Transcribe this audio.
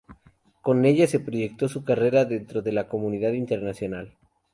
Con ella se proyectó su carrera dentro de la comunidad internacional.